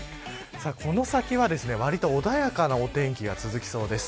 この先は、わりと穏やかなお天気が続きそうです。